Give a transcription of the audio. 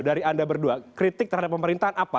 dari anda berdua kritik terhadap pemerintahan apa